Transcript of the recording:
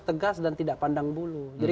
tegas dan tidak pandang bulu jadi